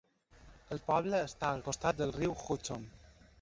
El poble està al costat del riu Hudson.